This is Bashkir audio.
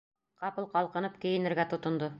Ҡапыл ҡалҡынып кейенергә тотондо.